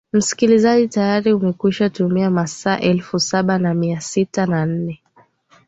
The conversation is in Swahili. msikilizaji tayari umekwisha tumia masaa elfu saba na mia sita na nne